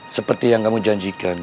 seperti yang kamu janjikan